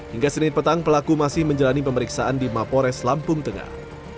hingga senin petang pelaku masih menjalani pemeriksaan di mapores lampung tengah